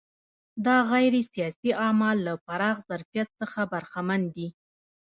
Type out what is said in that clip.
دا غیر سیاسي اعمال له پراخ ظرفیت څخه برخمن دي.